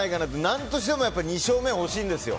何としても２勝目が欲しいんですよ。